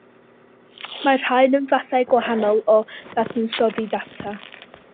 Mae'r rhain yn fathau gwahanol o ddadansoddi data.